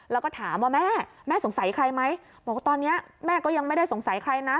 แล้วก็ถามว่าแม่แม่สงสัยใครไหมบอกว่าตอนนี้แม่ก็ยังไม่ได้สงสัยใครนะ